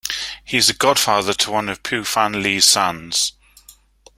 He is the godfather to one of Pui Fan Lee's sons.